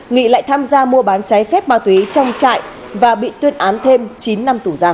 nghị lại tham gia mua bán trái phép ma túy trong trại và bị tuyên án thêm chín năm tù giam